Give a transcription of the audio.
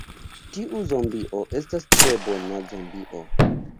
Tiu zombio estas tre bona zombio.